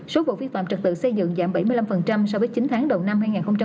số vụ vi phạm trật tự xây dựng giảm bảy mươi năm so với chín tháng đầu năm hai nghìn hai mươi ba